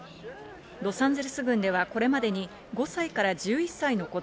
ロサンゼルス郡ではこれまでに５歳から１１歳の子供